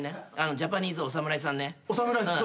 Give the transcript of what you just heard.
ジャパニーズお侍さんね。